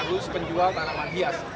terus penjual tanaman hias